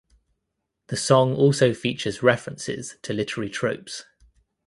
The song also features references to literary tropes.